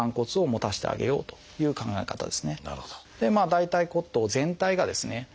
大腿骨頭全体がですね